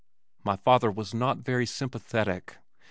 My father was not very sympathetic.